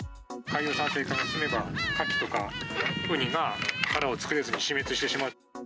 海洋酸性化が進めば、カキとかウニが、殻を作れずに死滅してしまう。